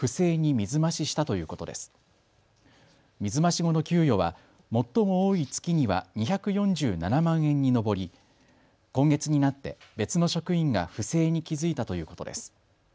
水増し後の給与は最も多い月には２４７万円に上り今月になって別の職員が不正に気付いたということです。